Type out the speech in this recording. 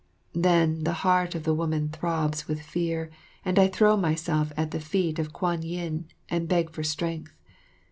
Then the heart of the woman throbs with fear, and I throw myself at the feet of Kwan yin and beg for strength.